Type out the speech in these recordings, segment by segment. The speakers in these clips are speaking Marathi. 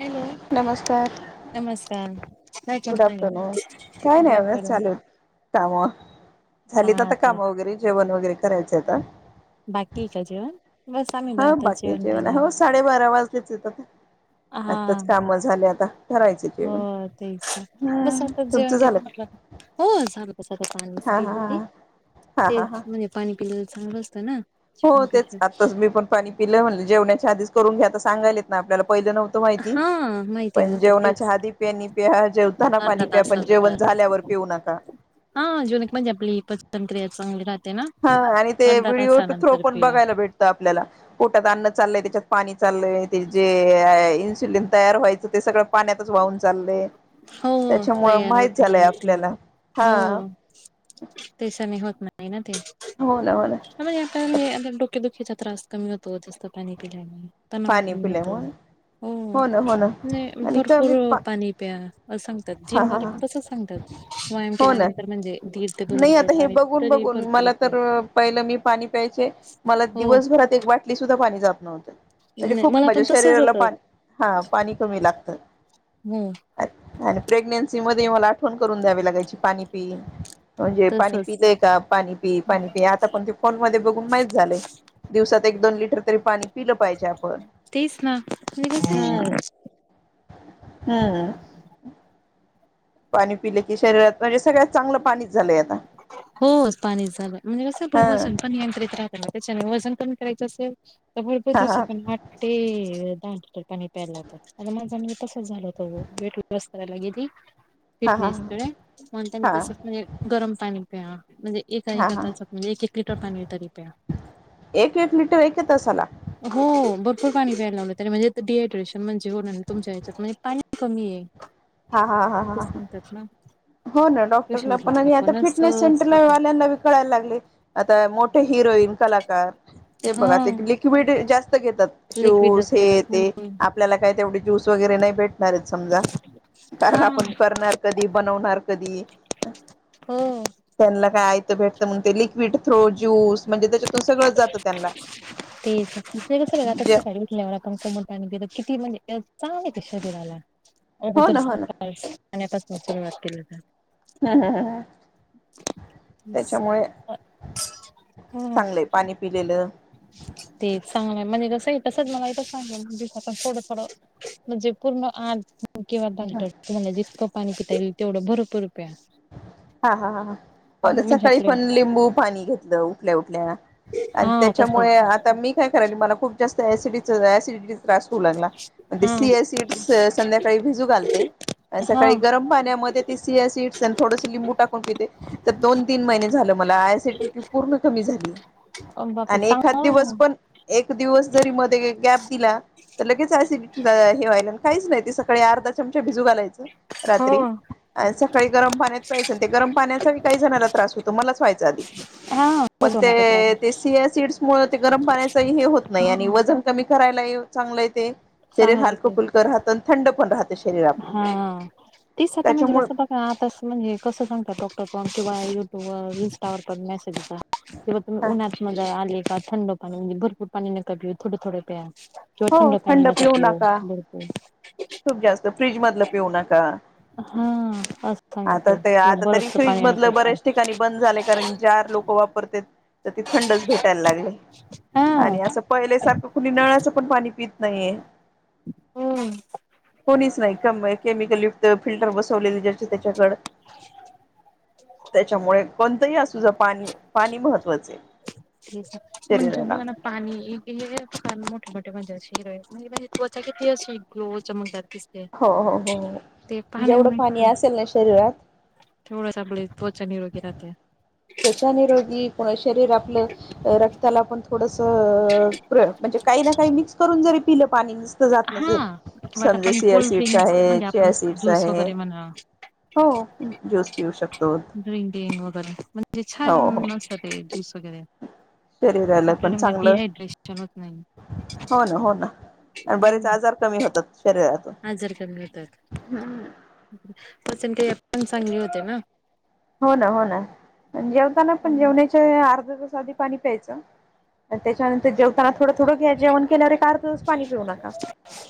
हॅलो नमस्कार! नमस्कार काय गुड आफ्टरनून कतय [unintelligible] काम झालीत आता ते कामं वगैरे जेवण वगैरे करायचं आता, बाकी काय जेवण, बस आम्ही बा हा आताच जेवण बाकीचे केलं हो साडेबारा वाजलेच येत. हा आताच काम झाले आता करायचे, हो जेवण तेच बस हम्म आता तुमचं जेवण के झालं का म्हटलं हो झालं, बस आ चच हा हा पी, हा हा ते हा हा म्हणजे पाणी पिलेलं चांगलं असतं ना, हो तेच जेवणापेक्षा आताच मी पण पाणी पिलं म्हण जेवण्याच्या आधीच करून घ्या तर सांगायलेत ना आपल्याला, पाहिलं न्हत माहिती हा माहिती पण नव्हतं जेवणाच्या तेच ह प प्या जेवता अर्धा पाणी प्या तास पण जेव झा अगोदर झाल्यावर पिऊ नका, हा जुन एक म्हणजे आपली पचनक्रिया चांगली राहते. ना हा आणि ते अर्धा व्हिडिओ थ्रो तासानंतर पण पिऊन बघायला भेटतं आपल्याला पोटात अन्न चाललंय त्याच्यात, पाणी चाललंय ते जे इन्स्युलिन तयार व्हायचं ते सगळं, पाण्यातच वाहून चाललंय. हो त्याच्यामुळं तयार माहित होत झालंय नाही आपल्याला हो हा, ते होत नाही ना ते हो ना हो ना मग, [unintelligible] पोटदुःखीचा त्रास कमी होतो जास्त पाणी पिल्याने, तणाव पाणी कमी होतो पिल्यामुळे हो ना हो ना नाय आणि भरपूर कमीत पा पाणी, प्या सांगतात हा जिम हा हा पण तस सांगतात व्यायाम हो ना केल्यानंतर म्हणजे दीड ते दोन लिटर पाणी, तरी ब भरपूर मला होते तर पहिलं मी पाणी, प्यायचे मला हो. दिवसभरात एक बाटली सुद्धा पाणी जातण होतं. म्हणजे नाही खूप मला माझ्या पण तसच शरीराला होत पाणी हा पाणी कमी लागतं. हो अ आणि प्रेग्नेन्सी मध्ये मला आठवण करून द्यावी लागायची, पाणी पि म्हणजे पाणी तसच पिलंय का पाणी पी पाणी पी आता पण ते फोन मध्ये बघून माहीती झालंय दिवसात, एक दोन लिटर तरी पाणी पिलं पाहिजे, आपण तेच ना आणि कस आहे, हूं पाणी पिले की शरीरात म्हणजे सगळ्यात चांगलं पाणीच झालंय आत हो पाणी झालं म्हणजे कस आपलं हा वजन पण नियंत्रित राहत ना त्याच्याने वज कमी करायच असेल तर भरपूर हा हा दिवसातुन वाटते लिटर पाणी प्यायला लावतात आणि माझा आणि तसच झालं होत वेट लॉस करायला गेली हा हा फिटनेसकडे म्हणतो मी हा हा तसच म्हणजे गरम पाणी प्या म्हणजे एका हा एका हा तासात म्हणजे एक एक लिटर पाणी तरी प्या. एका एका तासाला हो भरपूर पाणी प्याय लावलं त्यानी म्हणजे डिहायड्रेशन म्हणजे होणार नाही तुमच्या ह्याच्यात म्हणज पानी कमी ये. हा हा हा हा हो ना तशी डॉक्टरला म्हटलं पण आणि आता आपणच फिटनेस सेंटरला होतो वाल्यांना बी कलायला लागलय आता मोठे हिरोईन कलाकार ते बघा हा. ते लिक्विड जास्त घेतात लिक्विड शूस जास्त घेतात हे ते म्हणून आपल्याला काय तेवढे ज्यूस वगैरे नाही भेटणार येत समजा. कारण हा आपण करणार कधी बनवणार कधी हो त्यांना आयत भेटत म्हणून ते लिक्विड थ्रो ज्यूस म्हणजे त्याच्यातून सगळं जातं त्यांनला तेच ना म्हणजे कसं ना आपण सकाळी उठल्यावर आपण कोमट पाणी पितो किती म्हणजे या चांगलय ते शरीराला हो अगोदर ना हो ना पाण्या पासून सुरुवात केली तर ह ह ह ह त्याच्यामुळे चांगलंय पाणी पिलेलं तेच चांगलंय म्हणजे कस नाय तसच मला इथ सांगल म्हनजेचं थोडं थोडं म्हणजे पूर्ण आत किंवा डाक्टर तुम्हाला जितकं पाणी पिता येईल तेवढं भरपूर प्या. हा हा हा हा हो ना म्हणजे सकाळी आपलं पण लिंबू पाणी घेतलं उठल्या उठल्या आणि हा तसच त्याच्यामुळे आता मी काय करायलय मला खूप जास्त ऍसिडिचं ऍसिडिटी ची त्रास होऊ लागला. मंग ते हा सीया सिड्स संध्याकाळी भिजू घालते. हा सकाळी गरम पाण्यामध्ये ती सिया सिड्स स थोडस लिंबू टाकून पिते तर दोन तीन महिने झालं मला ऍसिडिटी पूर्ण कमी झाली. बापरे आणि एखाद चांगला दिवस पण एक दिवस जरी मध्ये गॅप दीला तर लगेच एसिडिटी हे व्हायला काहीच नाही ते सकाळी अर्धा चमचा भिजू घालायच. च हो रात्री सकाळी गरम पाण्यात प्यायचं त्या गरम पाण्याचा काही जणाला त्रास होतो मलाच व्हायचा आधी हा पण होतो ना तो त्रास ते ते सीया सिड्स मुळ ते गरम पाण्याच हे होत हा नाही आणि वजन कमी कराय ला चांगय ते शरीर चांगलं हलकं होते. फुलकं राहत आणि थंड पण राहत. हा तीच आता म्हणजे कसं त्याच्यामुळे बघा आता म्हणजे कसं सांगतात डॉक्टर पण किंवा युट्यू वर इन्स्टा वर पण मेसेज येता कीं बाबा उन्हातना मग आले का थंड पाणी म्हणजे भरपूर पाणी नका पिऊ थोडं थोडे प्या. हे थंड पानी नका पीऊ खूप [unintelligible] जास्त फ्रीज मधलं पिऊ नका. असं सांगतात आता ते किंवा आता तरी बरफच फ्रिज पाणी नका मधलं पिऊ बऱ्याच ठिकाणी बंद झालेय कारण ज्या लोक वापरतेत त ती थंडच भेटायला लागले हा आणि असं पहिल्यासारखं कुणी नळाचं पण पाणी पित नाहीये. कोणीच नाही कम केमिकल यु ते फिल्टर बसवलेले ज्याचे त्याच्याकड त्याच्यामुळे कोणतंही असू जा पाणी, पाणी महत्त्वाचय. ठीक ये म्हणजे बघा ना पाणी हे [unintelligible] मोठ [unintelligible] म्हणजे म्हणजे त्वचा किती अशी ग्लो चमकदार दिसते हो हो हो ते जेवढं पाणी पाण्यामुळे असेल ना शरीरात तेवढंच आपली त्वचा निरोगी राहते. त्वचा निरोगी शरीर आपलं रक् क्ताला पण थोडंसं अ प्रयोग म्हणजे काही ना काही मिक्स करून जरी पिलं पाणी मि हा. किंवा आपण सीड्स कोल्ड्रिंक्स आहे म्हणजे आपण चिया सीड्स ज्यूस आहे वगैरे म्हणा हो ज्यूस पिऊ शकतो ड्रंकिंग वगैरे म्हणा छान हो हो [unintelligible] मग ज्युस वगैरे शरीराला आपल्याला पण म्हणजे चांगलं डिहायड्रेशन होत नाही. हो ना हो ना आणि बरेच हं, आजार कमी होतात. शरीरात आजार कमी होतात, पचणक्रीया पण चांगली होते ना हो ना. हो ना. जेवता ना पण जेवण्याच्या आधी पाणी प्यायचं. त्याच्यानंतर जेवताना थोड थोडं जेवण केल्यावर एक अर्धा तास पाणी पिऊ नका.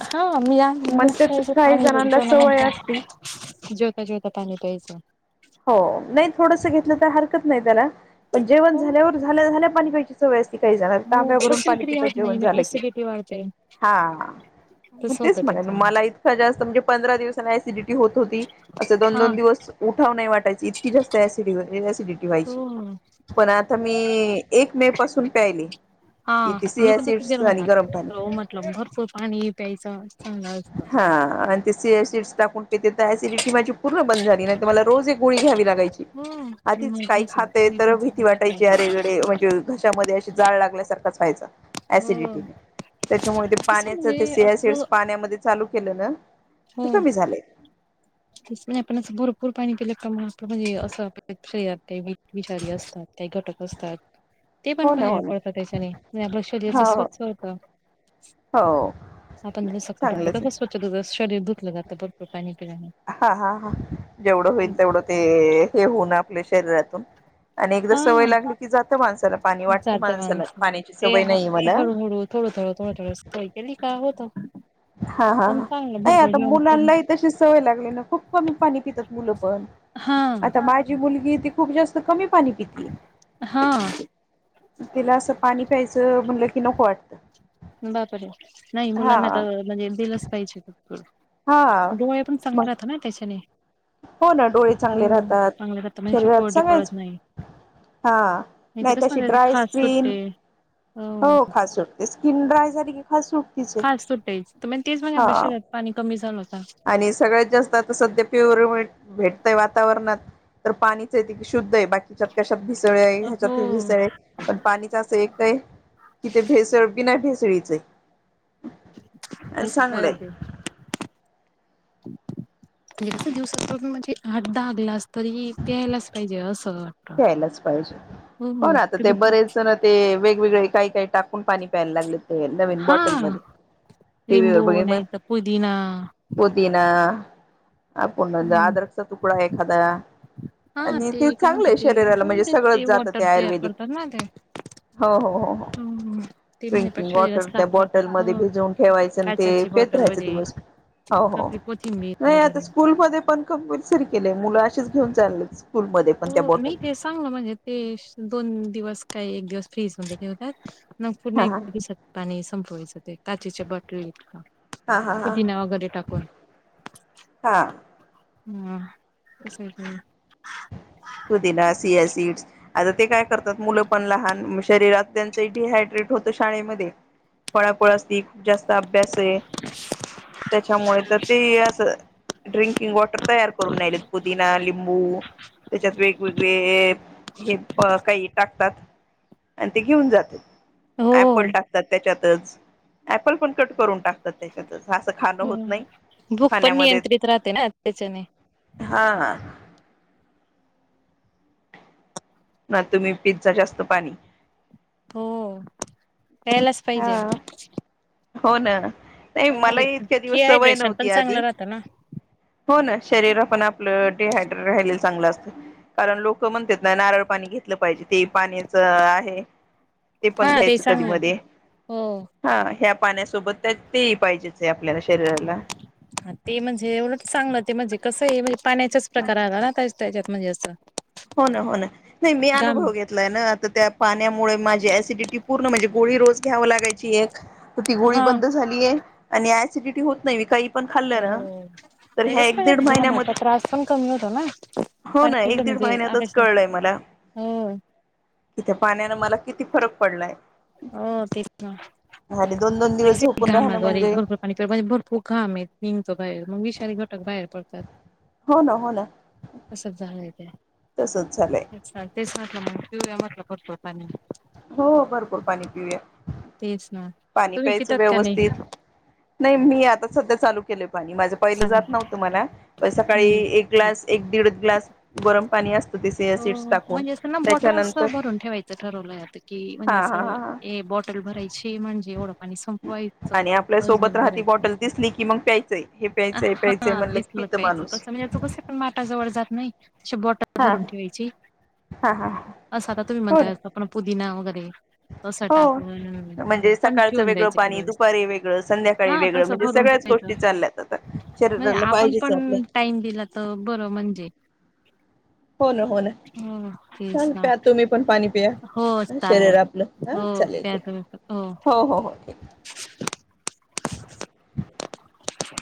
हां, मी आम्ही कसं म्हणत्यात प्यायचं काही सवय असती [unintelligible] जेवता जेवता पाणी प्यायचं हो. नाही थोडस घेतलं तर हरकत नाही त्याला, पण जेवण हो, झाल्यावर, झाल्या झाल्या पाणी प्यायच सवय काही जणांना, हो तांब्या भरून पाणी पचनक्रिया पितात होत नाही जेवण मग झालं की. ऍसिडिटी वाढते. हा तसं तेच होतं म्हणाले, त्याच्याने. मला इतका जास्त म्हणजे पंधरा दिवसां अॅसिडिटी होत होती. असे दोन हां, दोन दिवस खाऊ नाही वाटायचे इ. तके जास्त ऍसिडिटी हो व्हायची. पण आता मी एक मे पासून प्यायली हा. मी पण तसच गरमत म्हटलं भरपूर पाणी प्यायचं चांगलं असतं. हा ते चिया सिड्समुळे माझी पूर्ण बंद झाली. नाही तर मला रोज एक गोळी घ्यावी लागते. हो [unintelligible] आधीच काही नाही सगळं खातेय ते तर पण भीती सांगतात नाही वाटायची. अडकले म्हणजे घशामध्ये अशी जाळ लागल्या हो ऍसिडिटीने, त्यामुळे ते कसं पाण्याचे म्हणजे चिया सिड असं पाण्यामधे चालून केलं ना हो. तस नाही आपणच भरपूर पाणी पिल का म्हणजे असं आपल्या शरीरात काही विषारी असतात, काही घटक असतात ते हो पण ना हो बाहेर ना पडतात त्याच्याने, मग आपलं शरीराच हो हो स्वच्छ होत. हो आपण ज सख चांगलंच कसं आहे. स्वच्छ शरीर दुधलं जातं. भरपूर पाणी पिल्याने हा हा हा. जेवढं होईल तेवढं ते हे होऊ ना आपल्या शरीरातून आणि एकदा सवय हा लागली की, जातं माणसं चला पाणी वाटत जात माणसाला माणसं पाण्याची ते सवय नाही हात मला हळूहळू थोडं थोडं थोडं थोडं सवय केली का होतं हा हा. पण चांगलं नाही भरपूर आता जेवण करून मुलांनाही तशी सवय लागली ना. खूप कमी पाणी पितात मुलं हा आता माझी मुलगी ती खूप जास्त कमी पाणी पिती. हा तिला असं पाणी प्यायचं म्हणलं की नको वाटतं. बापरे. नाही हा मुलांना तर म्हणजे दिलंच पाहिजे. हा डोळे पण चांगले मग राहत ना त्याच्याने. हो ना डोळे चांगले हो. राहतात, चांगले राहता म्हणजे अशी शरीरात कोरडी सगळेच पडत नाही. हा. तर नाही कसं तशी म्हणजे ड्राय खाज स्क्रीन, सुटते. हो. खाज सुटते स्किन ड्राय झाली की आहे खाज सुटते तर मग तेच म्हणे आपल्या हा. शरीरात पाणी कमी झालं होता. आणि सगळ्यात जास्त आता सध्या भेटतय वातावरणात तर पाणीच शुद्ध आहे. बाकीच्यात कशात भिसळ ह्याच्यात हो भिसळ पण पाणीच असं एक काय इथ भेसळ कि नाही, बिना भेसळीचे मस्त आहे. म्हणजे दिवसाचं म्हणजे आठ दहा ग्लास तरी प्यायलाच पाहिजे. असं वाटतं. घ्यायलाच पाहिजे. हो ना आता ते बरेच जण ते वेग वेगवेगळे काही काही टाकून पाणी प्यायला लागले, ते नवीन हा बॉटलमध्ये टी व्ही वर लिंबू बघितन, मग नाही तर पुदिना. पुदिना आपण म्हण हम्म. अदरचा तुकडा एखादा आणि ते चांगले होण ते ते वॉटर तयार करतात ना ते हो हो हो हम्म ते म्हणजे पण ड्रिंकिंग शरीराला वॉटर साफ त्या करतात बॉटलमध्ये हो भिजवून ठेवायचं आणि ते काचाची पित बॉटल राहायचं वगैरे दिवस हो हो. आपली कोथिंबीर नाही आता वगैरे स्कूलमध्ये पण कंपल्सरी केले. मुलं आशी घेन स्ूल मध्ये पण त्या हो ब नाही ते सांगलं म्हणजे ते दोन दिवस काही एक दिवस फ्रीज होते ठवतात. मग पुूर्ण हा एक हा दिसात पाणी संपवायचं ते काचेच्या बॉटल इत का? हा हा पुदिना हा वगैरे टाकून. हा हम् ते तर पुदिना सियासीड आता ते काय करतात मुलं पण लहान शरीरात त्यांच डिहायड्रेट. त शाळेमध्ये फळापळ अस खूप जास्त अभ्यास आहे. त्याच्यामुळे तर ते असं. ड्रिंकिंग वॉटर तयार करून नाहीले पुदिना लिंबू त्याच्यात वेगवेगळे हे काही टाकतात आणि ते घेऊन जाते. अऍपल हो टाकतात त्याच्यातच ऍपल पण कट करून टाकतात त्याच्यातच असं खाणं होत नाही हम् भूक पण नियंत्रित राहते ना त्याच्याने हा हा. ना तुम्ही पिझ्झा जास्त पाणी हो यायलाच पाहिजे. हा हो ना नाही हो म्हणजे मलाही इतक्या दिवस सवय डिहायड्रेशन पण नव्हती आधी चांगलं राहतं ना हो ना शरीर पण आपलं डिहायड्रेट राहिल. चांगलं असत कारण लोक म्हणतात ना नारळ पाणी घेतलं पाहिजे. ते पाण्याच आहे ते पण हा घ्यायचं कधी चांगलं मध्ये हो हा ह्या पाण्यासोबत त्यात ते पाहिजेत. हा ते म्हणजे एवढं चांगलं ते म्हणजे कसं आहे म्हणजे पाण्याचाच प्रकार आला ना त्या त्याच्यात म्हणजे असं. हो ना हो ना नाही मी घाम अनुभव घेतलाय ना आता त्या पाण्यामुळे माझी एसिडिटी पूर्ण म्हणजे गोळी रोज घ्याव लागायची एक ती गोळी हा बंद झालीय आणि सिडिटी होत नाही काही खाल् हो ह कस घामाचा महिन्यामध्ये त्रास पण कमी होतो ना हो ना. पाणी दीड म्हणजे महिन्यातच आपेक्षा कळलंय मला हो कि त्या पाण्यानं मला किती फरक पडलाय. हो तेच ना. आणि दोन दोन दिवस झोपून राहणं घामाद्वे म्हणजे भरपूर पाणी म्हणजे भरपूर घा आहेत नििंगतो बा मग वि घटक बाहेर पडतात. हो ना हो ना तस झालंय तेल तसच झालंय तेच वा. ्या म्हटलं करतो. हो भरपूर पाणी पिऊया तेच ना पाणी तुम्ही प्यायचं पितात का नाही व्यवस्थित नाही मी आता सध्या चालू. पा माझ पहि सांग जात नव्हत मला सकाळी मी एक ग्लास एक दीड ग्लास गरम पाणी अस. हो म्हणजे ना बॉटल्स भरून ठेवायचं ठरवलं. की म्हणजे हा हा हा हा असं बॉटल भरायची म्हणजे ओढ पाणी संपवायचं आणि आपल्या अज दर सोबत राहती भरायच. बॉटल दिसली की मग प्यायचंय हे प्यायचंय प्यायचंय हा म्हणलं की दिसलं पितं प्यायचं माणूस तस म्हणजे कस पण माठाजवळ जात नाही. अशी बौटल हा भरून ठेवायची हा हा हो असं आता तुम्ही ना म्हणताय आपण पुदिना वगैरे तसं हो टाकून म्हणजे पण सकाळचं ठेवून वेगळं द्यायचे पाणी सगळेच. दुपारी वेगळं संध्याकाळी हा वेगळं तसं म्हणजे भरून सगळं. ्याच ठेवायचं गोष्टी चाल्यात. म्हणजे आपण पण टाइम दिला तर बरं म्हणजे हो ना, हो ना. हो ते चाल ना प्या तुम्ही पण पाणी पिया. हो चालेल शरीर आपलं. हा हो. चालेल ठीक. हो. हो हो ठीक.